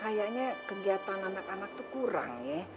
kayaknya kegiatan anak anak itu kurang ya